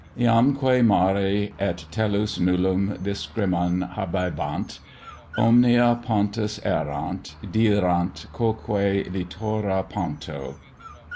Jamque mare et tellus nullum discremen habebant; Omnia pontus erant: deerant quoque littora ponto.